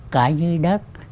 cả dưới đất